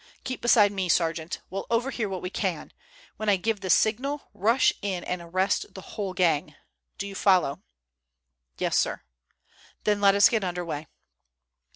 Keep beside me, sergeant. We'll overhear what we can. When I give the signal, rush in and arrest the whole gang. Do you follow?" "Yes, sir." "Then let us get under way."